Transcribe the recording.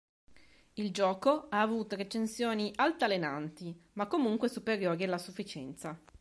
Il gioco ha avuto recensioni altalenanti, ma comunque superiori alla sufficienza.